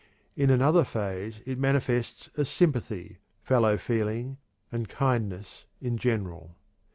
In another phase it manifests as sympathy, fellow feeling, and "kindness" in general.